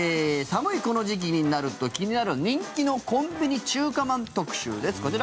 寒いこの時期になると気になる人気のコンビニ中華まん特集です